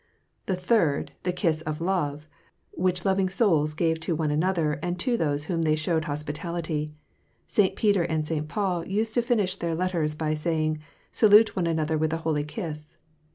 The third, the kiss of love which loving souls gave to one another and to those whom they showed hospitality. St. Peter and St. Paul used to finish their letters by saying, "salute one another with a holy kiss."